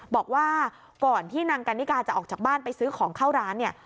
บอกว่าก่อนที่นางกันนิกาจะออกจากบ้านไปซื้อของเข้าร้านเนี่ย